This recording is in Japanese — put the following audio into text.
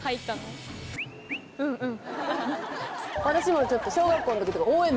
私もちょっと。